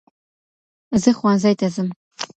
زه ښوونځی ته ځم.